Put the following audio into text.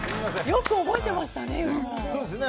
よく覚えてましたね、吉村さん。